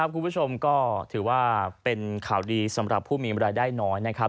คุณผู้ชมก็ถือว่าเป็นข่าวดีสำหรับผู้มีรายได้น้อยนะครับ